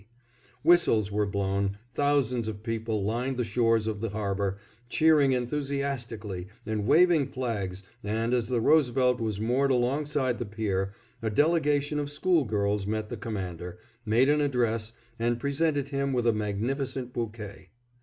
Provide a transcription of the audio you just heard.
Whistles were blown, thousands of people lined the shores of the harbor, cheering enthusiastically and waving flags, and as the Roosevelt was moored alongside the pier, a delegation of school girls met the Commander, made an address, and presented him with a magnificent bouquet.